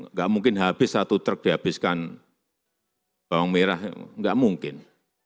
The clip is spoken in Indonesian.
nggak mungkin habis satu truk dihabiskan bawang merah nggak mungkin